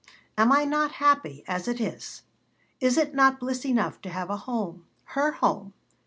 "Am I not happy as it is? Is it not bliss enough to have a home her home?